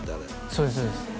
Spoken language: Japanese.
そうです